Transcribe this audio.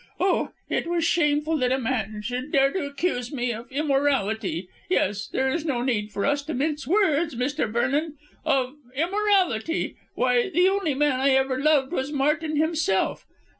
"Oh, it was shameful that a man should dare to accuse me of immorality yes, there is no need for us to mince words, Mr. Vernon of immorality. Why, the only man I ever loved was Martin himself.